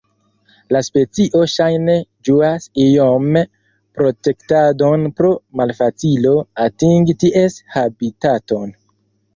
La specio ŝajne ĝuas iome protektadon pro malfacilo atingi ties habitaton.